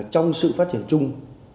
trong sự phát triển chung